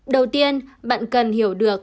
đầu tiên bạn cần hiểu được